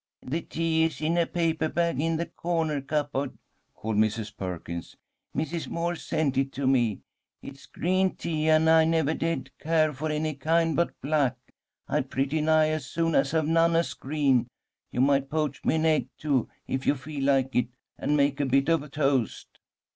"The tea is in a paper bag in the corner cupboard," called Mrs. Perkins. "Mrs. Moore sent it to me. It's green tea, and I never did care for any kind but black. I'd pretty nigh as soon have none as green. You might poach me an egg, too, if you feel like it, and make a bit of toast."